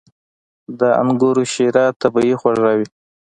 • د انګورو شیره طبیعي خوږه وي.